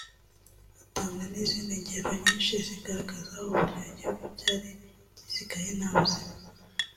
atanga n’izindi ngero nyinshi zigaragaza uburyo igihugu cyari gisigaye nta buzima